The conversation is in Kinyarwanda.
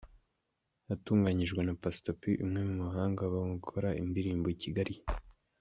Yatunganyijwe na Pastor P umwe mu bahanga mu gukora indirimbo i Kigali.